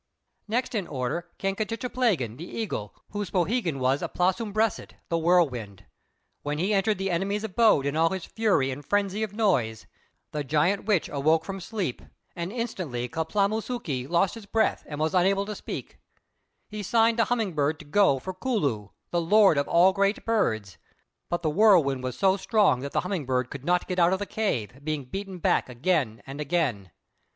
Next in order came K'tchīplāgan, the Eagle, whose poohegan was "Aplāsŭmbressit," the Whirlwind. When he entered the enemy's abode in all his fury and frenzy of noise, the Giant Witch awoke from sleep, and instantly "K'plāmūsūke" lost his breath and was unable to speak; he signed to Humming bird to go for "Culloo," the lord of all great birds; but the Whirlwind was so strong that the Humming bird could not get out of the cave, being beaten back again and again.